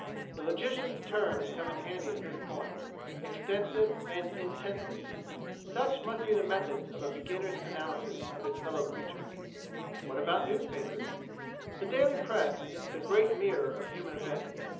The logician's terms come in handy at this point: extensive and intensive such must be the methods of a beginner's analysis of his fellow creatures. What about the Newspapers? The daily press is the great mirror of human events.